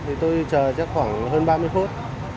thì tôi chờ chắc khoảng hơn ba mươi phút